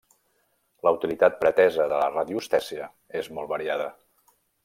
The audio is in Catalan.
La utilitat pretesa de la radioestèsia és molt variada.